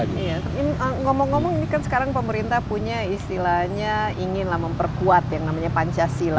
ini ngomong ngomong ini kan sekarang pemerintah punya istilahnya inginlah memperkuat yang namanya pancasila